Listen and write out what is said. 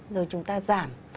rồi chúng ta giảm